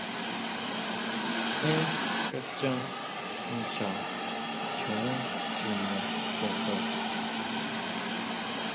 Énn kachan nchá choon chjine xojon.